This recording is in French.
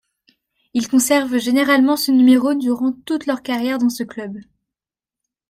Ils conservent généralement ce numéro durant toute leur carrière dans ce club.